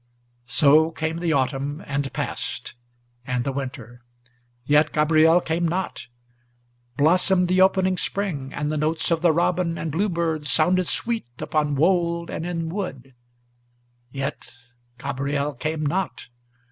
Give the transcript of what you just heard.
So came the autumn, and passed, and the winter, yet Gabriel came not; Blossomed the opening spring, and the notes of the robin and bluebird Sounded sweet upon wold and in wood, yet Gabriel came not.